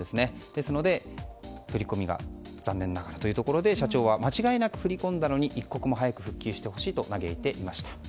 ですので振り込みが残念ながらというところで、社長は間違いなく振り込んだのに一刻も早く復旧してほしいと嘆いていました。